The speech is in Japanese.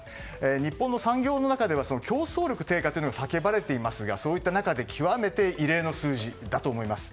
日本の産業の中では競争力低下というのが叫ばれていますがそういった中で極めて異例の数字だと思います。